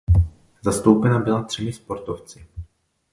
Zastoupena byla třemi sportovci.